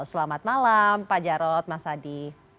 selamat malam pak jarod mas adi